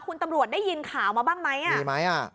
คุณตำรวจได้ยินข่าวมาบ้างไหม